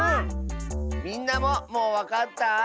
みんなももうわかった？